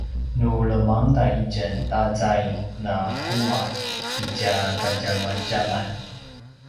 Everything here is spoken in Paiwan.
nu lemangda itjen ta zaing na kuwa itja kadjamadjaman